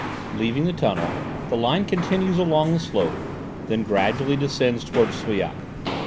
Leaving the tunnel, the line continues along the slope, then gradually descends towards Souillac.